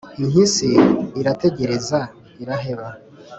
impyisi irategereza iraheba